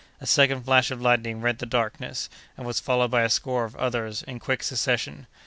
A second flash of lightning rent the darkness, and was followed by a score of others in quick succession.